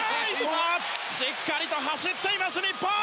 しっかりと走っています、日本。